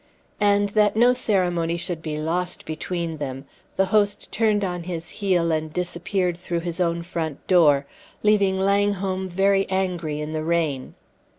And, that no ceremony should be lost between them, the host turned on his heel and disappeared through his own front door, leaving Langholm very angry in the rain.